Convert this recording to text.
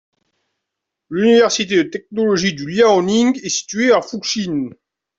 L'Université de technologie du Liaoning est située à Fuxin.